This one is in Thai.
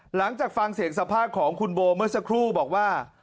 หลังจากฟังเสียงสัมภาษณ์ของคุณโบเมื่อสักครู่บอกว่า